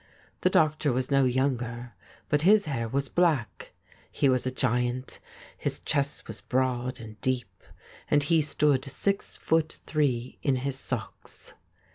The doctor was no younger, but his hair was black. He was a giant — his chest was broad and deep, and he stood six foot three in his socks.